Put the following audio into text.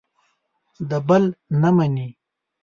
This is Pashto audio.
د بل نه مني.